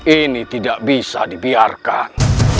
ini tidak bisa dibiarkan